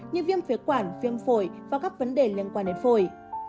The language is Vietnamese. như viêm phế quản viêm phổi và các vấn đề liên quan đến phổi